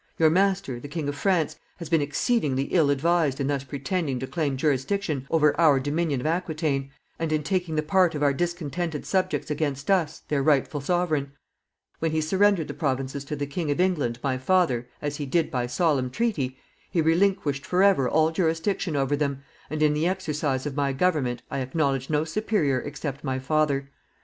Your master, the King of France, has been exceedingly ill advised in thus pretending to claim jurisdiction over our dominion of Aquitaine, and in taking the part of our discontented subjects against us, their rightful sovereign. When he surrendered the provinces to the King of England, my father, as he did by solemn treaty, he relinquished forever all jurisdiction over them, and in the exercise of my government I acknowledge no superior except my father.